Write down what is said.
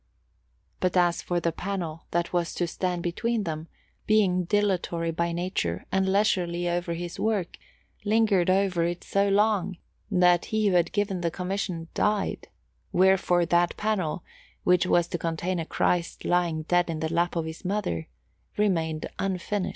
But as for the panel that was to stand between them, Giovanni Antonio, being dilatory by nature and leisurely over his work, lingered over it so long that he who had given the commission died: wherefore that panel, which was to contain a Christ lying dead in the lap of His Mother, remained unfinished.